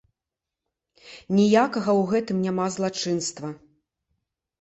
Ніякага ў гэтым няма злачынства!